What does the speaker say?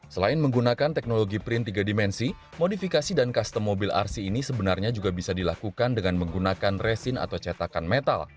selain menggunakan teknologi print tiga dimensi modifikasi dan custom mobil rc ini sebenarnya juga bisa dilakukan dengan menggunakan resin atau cetakan metal